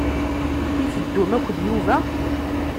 I teddum akked Yuba?